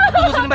tunggu sini mbak